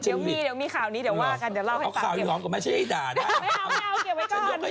หนูรู้ว่าให้อะไรแต่หมายถึงเลขอะไร